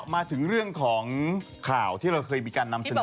มาถึงเรื่องของข่าวที่เราเคยมีการนำเสนอ